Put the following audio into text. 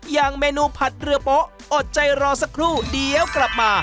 อย่างเมนูผัดเรือโป๊ะอดใจรอสักครู่เดี๋ยวกลับมา